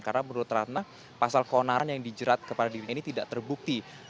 karena menurut ratna pasal konaran yang dijerat kepada diri ini tidak terbukti